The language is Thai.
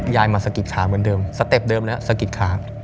ยายมาสะกิดขาเหมือนเดิมสเต็ปเดิมแล้วสะกิดขา